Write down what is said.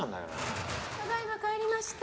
ただ今帰りました。